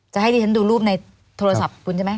จะให้ดิฉันดูรูปในโทรศัพท์คุณใช่ไหม